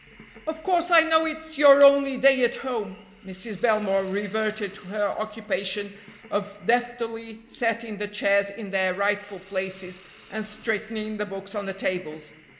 "Of course I know it's your only day at home—" Mrs. Belmore reverted to her occupation of deftly setting the chairs in their rightful places, and straightening the books on the tables.